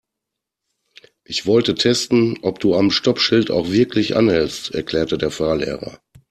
Ich wollte testen, ob du am Stoppschild auch wirklich anhältst, erklärte der Fahrlehrer.